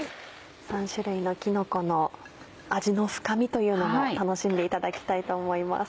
３種類のきのこの味の深みというのも楽しんでいただきたいと思います。